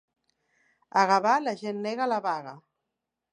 A Gavà, la gent nega la vaga.